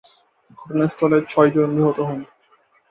ঘটনাস্থলে ছয়জন নিহত হন।